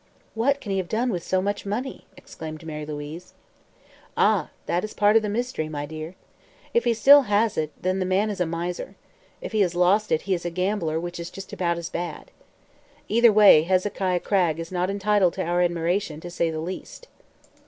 "What can he have done with so much money?" exclaimed Mary Louise. "Ah, that is part of the mystery, my dear. If he still has it, then the man is a miser. If he has lost it, he is a gambler, which is just about as bad. Either way, Hezekiah Cragg is not entitled to our admiration, to say the least.